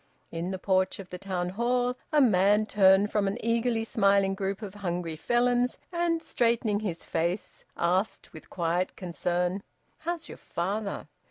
In the porch of the Town Hall, a man turned from an eagerly smiling group of hungry Felons and, straightening his face, asked with quiet concern, "How's your father?"